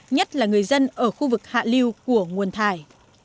người dân ở khu vực hạ lưu của nguồn thải